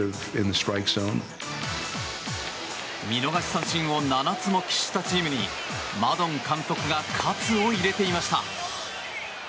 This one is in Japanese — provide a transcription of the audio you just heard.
見逃し三振を７つも喫したチームにマドン監督が喝を入れていました。